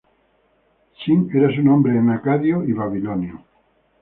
Sin era su nombre en acadio y babilonio.